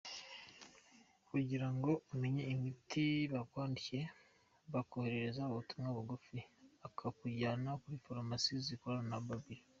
Kugira ngo umenye imiti bakwandikiye, bakoherereza ubutumwa bugufi ukabujyana kuri farumasi zikorana na “Babyl”.